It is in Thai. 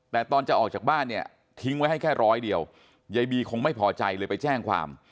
แต่ตอนจะออกจากบ้านเนี่ยทิ้งไว้ให้แค่ร้อยเดียวยายบีคงไม่พอใจเลยไปแจ้งความ